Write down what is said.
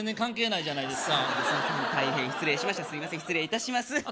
失礼いたします